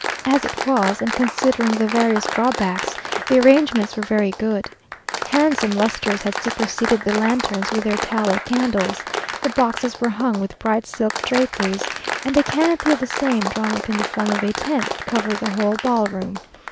As it was, and considering the various drawbacks, the arrangements were very good. Handsome lustres had superseded the lanterns with their tallow candles, the boxes were hung with bright silk draperies, and a canopy of the same drawn up in the form of a tent, covered the whole ball room.